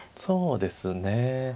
そうですね。